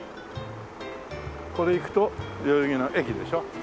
これ行くと代々木の駅でしょ。